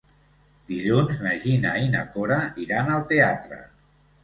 Dilluns na Gina i na Cora iran al teatre.